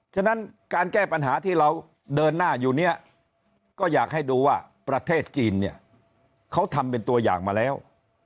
ฉะนั้นการแก้ปัญหาที่เราเดินหน้าอยู่เนี่ยก็อยากให้ดูว่าประเทศจีนเนี่ยเขาทำเป็นตัวอย่างมาแล้ว